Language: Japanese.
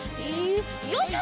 よいしょ。